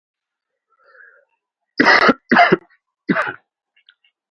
• Birovdan o‘nta kamchilik topish, o‘zingdan bitta topgandan oson.